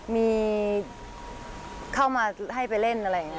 มีเข้ามาให้ไปเล่นอะไรอย่างนี้